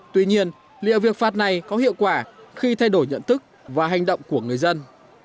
tuy nhiên liệu việc phạt này có hiệu quả khi thay đổi nhận thức và hành động của người dân